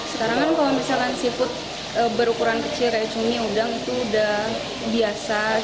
sekarang kan kalau misalkan seafood berukuran kecil kayak cumi udang itu udah biasa